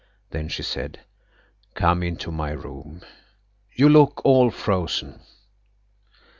Then she said: "Come into my room. You all look frozen."